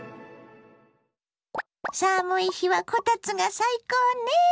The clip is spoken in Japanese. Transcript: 寒い日はこたつが最高ね。